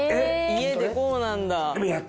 家でこうなんだ。